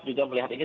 juga melihat ini